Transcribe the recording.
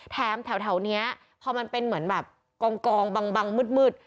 แถมแถวแถวเนี้ยพอมันเป็นเหมือนแบบกองกองบังบังมืดมืด